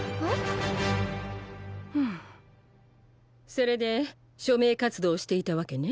それで署名活動をしていたわけね？